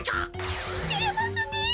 てれますね！